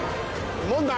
問題。